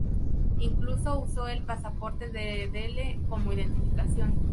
Incluso usó el pasaporte de Dele como identificación.